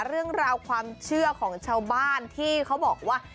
เรื่องราวความเชื่อของชาวบ้านที่เขาบอกว่า